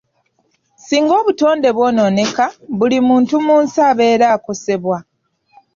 Singa obutonde bwonooneka, buli muntu mu nsi abeera akosebwa.